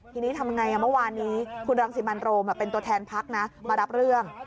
ทีนี้ทำไงเมื่อวานนี้คุณรังสิมันโรมเป็นตัวแทนพักนะมารับเรื่อง